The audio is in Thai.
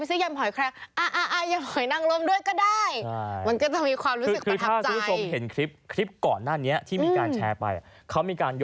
ต้องขอโทษที่ต้องให้รอนานแบบนี้ด้วย